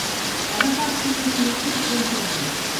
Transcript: Agafar-se les virtuts entre mans.